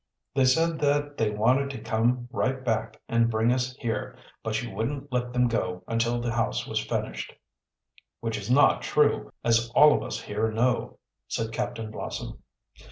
They said that they wanted to come right back and bring us here, but you wouldn't let them go until the house was finished." "Which is not true, as all of us here know," said Captain Blossom.